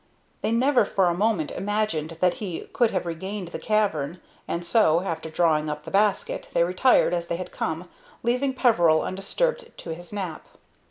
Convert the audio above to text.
They never for a moment imagined that he could have regained the cavern, and so, after drawing up the basket, they retired as they had come, leaving Peveril undisturbed to his nap.